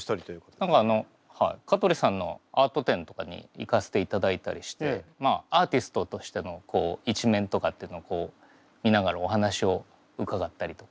何か香取さんのアート展とかに行かせていただいたりしてまあアーティストとしての一面とかっていうのをこう見ながらお話を伺ったりとか。